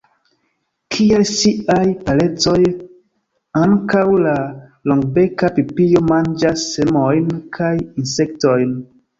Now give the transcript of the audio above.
Kiel siaj parencoj, ankaŭ la Longbeka pipio manĝas semojn kaj insektojn.